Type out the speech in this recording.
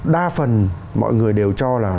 đa phần mọi người đều cho là